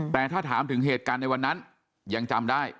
แต่ถ้าถามถึงเหตุการณ์ในวันนั้นยังจำได้